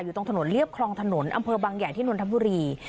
อยู่ตรงถนนเลียบคลองถนนอำเภอบางอย่างที่นวนธรรมดุรี